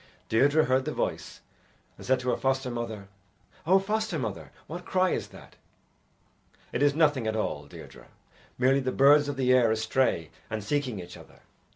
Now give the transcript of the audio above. Deirdre heard the voice, and said to her foster mother, "O foster mother, what cry is that?" "It is nothing at all, Deirdre merely the birds of the air astray and seeking each other.